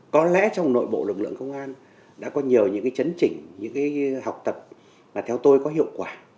có lẽ trong nội bộ lực lượng công an đã có nhiều những chấn chỉnh những học tập mà theo tôi có hiệu quả